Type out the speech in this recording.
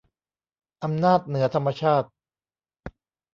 อำนาจเหนือธรรมชาติ